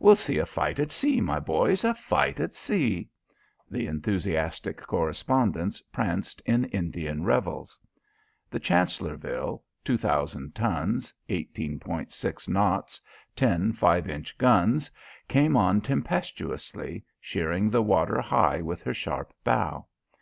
We'll see a fight at sea, my boys! A fight at sea!" The enthusiastic correspondents pranced in Indian revels. The Chancellorville 2000 tons 18.6 knots 10 five inch guns came on tempestuously, sheering the water high with her sharp bow.